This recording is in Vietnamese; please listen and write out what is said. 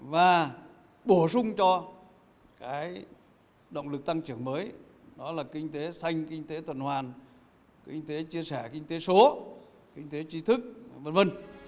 và bổ sung cho cái động lực tăng trưởng mới đó là kinh tế xanh kinh tế tuần hoàn kinh tế chia sẻ kinh tế số kinh tế trí thức v v